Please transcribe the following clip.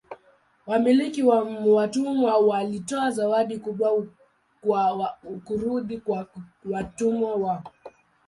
Wamiliki wa watumwa walitoa zawadi kubwa kwa kurudi kwa watumwa wao.